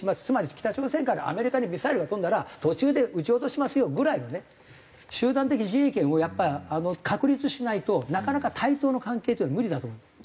つまり北朝鮮からアメリカにミサイルが飛んだら途中で撃ち落としますよぐらいのね集団的自衛権をやっぱ確立しないとなかなか対等の関係というのは無理だと思う。